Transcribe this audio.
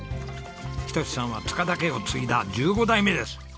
仁さんは塚田家を継いだ１５代目です。